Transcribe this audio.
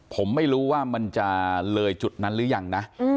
ผมไม่รู้ว่ามันจะเลยจุดนั้นหรือยังนะ